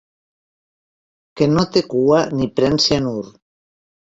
Que no té cua ni pren cianur.